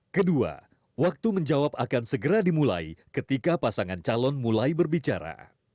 kedua waktu menjawab akan segera dimulai ketika pasangan calon mulai berbicara